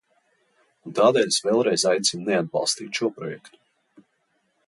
Un tādēļ es vēlreiz aicinu neatbalstīt šo projektu.